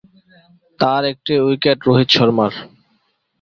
তার একটি উইকেট রোহিত শর্মা-র।